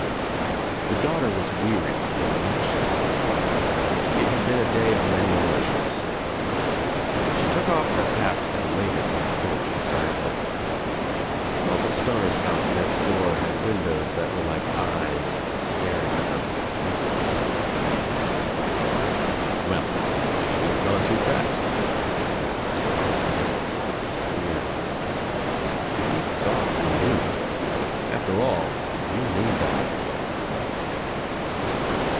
The daughter was weary from much thinking. It had been a day of many emotions. She took off her hat and laid it on the porch beside her. Melville ■. Stoner's house next door had windows that were like y 196 THE TRIUMPH OF THE EGG j eyes staring at her, accusing her. "Well now, you see, you have gone too fast," the house declared. It sneered at her. "You thought you knew about people. After all you knew nothing."